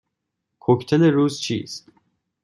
کوکتل روز چیست؟